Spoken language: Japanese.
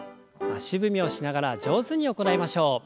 足踏みをしながら上手に行いましょう。